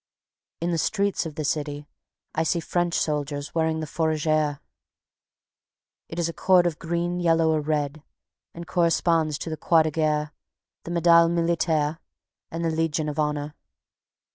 In the streets of the city I see French soldiers wearing the Fourragère. It is a cord of green, yellow or red, and corresponds to the Croix de Guerre, the Médaille militaire and the Legion of Honor.